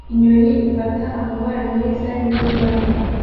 Inyoni ifite amabara meza n'imbwa nto